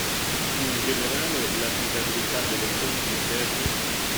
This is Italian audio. Più in generale l'affidabilità delle fonti interne.